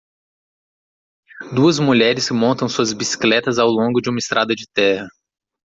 Duas mulheres que montam suas bicicletas ao longo de uma estrada de terra.